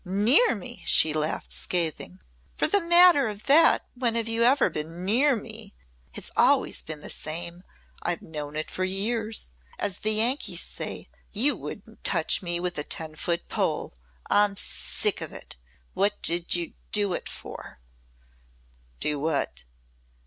"Near me!" she laughed scathingly, "For the matter of that when have you ever been near me? It's always been the same. I've known it for years. As the Yankees say, you 'wouldn't touch me with a ten foot pole.' I'm sick of it. What did you do it for?" "Do what?"